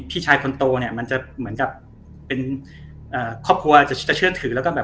พี่ชายคนโตเนี่ยมันจะเหมือนกับเป็นอ่าครอบครัวจะเชื่อถือแล้วก็แบบ